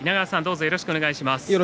よろしくお願いします。